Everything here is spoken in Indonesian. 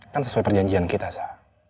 kan sesuai perjanjian kita sah